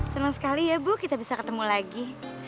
senang sekali ya bu kita bisa ketemu lagi